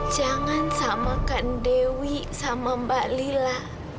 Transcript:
jangan samakan dewi sama mbak lila